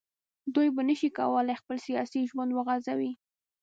دوی به نه شي کولای خپل سیاسي ژوند وغځوي